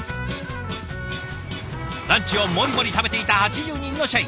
ランチをモリモリ食べていた８０人の社員。